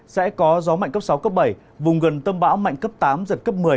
sẽ có gió mạnh cấp sáu cấp bảy vùng gần tâm bão mạnh cấp tám giật cấp một mươi